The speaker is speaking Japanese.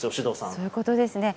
そういうことですね。